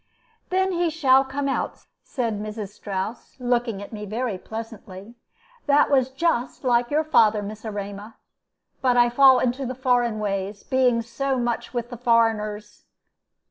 "Then he shall come out," said Mrs. Strouss, looking at me very pleasantly. "That was just like your father, Miss Erema. But I fall into the foreign ways, being so much with the foreigners."